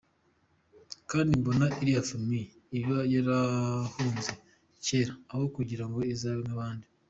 knd mbona iriya famille iba yarahunze kera aho kugirango izabe k`abandi!!